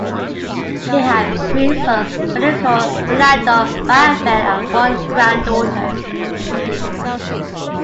He had three sons, Federico, Fernando and Rafael, and one granddaughter.